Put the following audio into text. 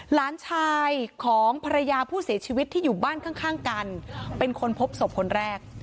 หลานชายของภรรยาผู้เสียชีวิตที่อยู่บ้านข้างกันเป็นคนพบศพคนแรก